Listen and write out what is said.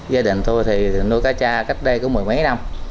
gia đình tôi thì nuôi cá cha cách đây có mười mấy năm